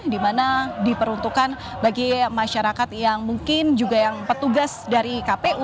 di mana diperuntukkan bagi masyarakat yang mungkin juga yang petugas dari kpu